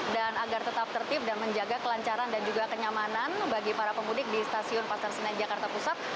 dan agar tetap tertib dan menjaga kelancaran dan juga kenyamanan bagi para pemudik di stasiun pasar senen jakarta pusat